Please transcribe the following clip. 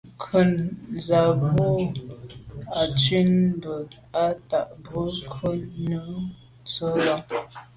Ŋkrʉ̀n zə̃ bù à’ tsì bú bə́ á tà’ mbrò ŋkrʉ̀n nù nyɔ̌ŋ lá’.